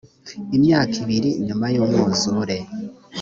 imyaka ibiri nyuma y’umwuzure